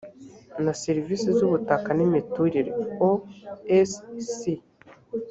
na serivisi z ubutaka n imiturire osc